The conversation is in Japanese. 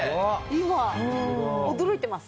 今驚いてます。